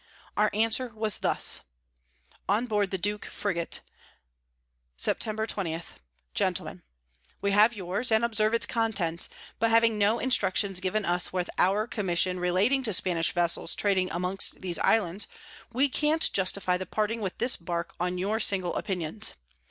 Our Answer was thus: On board the Duke Frigat, Sept. 20. Gentlemen, 'We have yours, and observe its Contents; but having no Instructions given us with our Commission relating to Spanish Vessels trading amongst these Islands, we can't justify the parting with this Bark on your single Opinions.